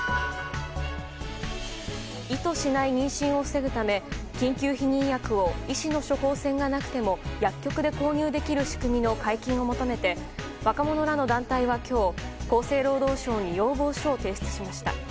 意図しない妊娠を防ぐため緊急避妊薬を医師の処方箋がなくても薬局で購入できる仕組みの解禁を求めて若者らの団体は今日厚生労働省に要望書を提出しました。